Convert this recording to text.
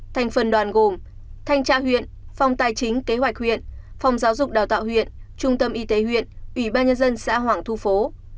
thành phần đoàn gồm thanh tra huyện phòng tài chính kế hoạch huyện phòng giáo dục đào tạo huyện trung tâm y tế huyện ủy ban nhân dân xã hoàng thu phố